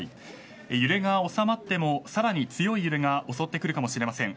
揺れが収まってもさらに強い揺れが襲ってくるかもしれません。